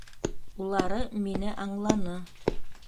Улары мине аңланы.